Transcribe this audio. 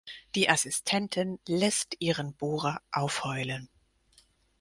Die Assistentin lässt ihren Bohrer aufheulen.